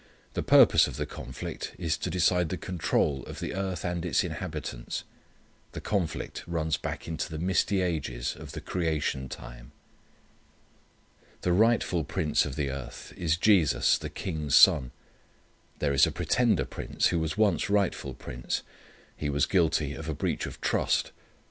The purpose of the conflict is to decide the control of the earth, and its inhabitants. The conflict runs back into the misty ages of the creation time. The rightful prince of the earth is Jesus, the King's Son. There is a pretender prince who was once rightful prince. He was guilty of a breach of trust.